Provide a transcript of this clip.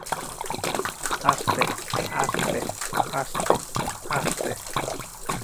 আস্তে, আস্তে, আস্তে, আস্তে।